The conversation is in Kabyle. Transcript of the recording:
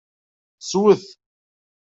Swet.